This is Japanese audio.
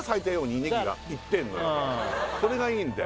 それがいいんだよ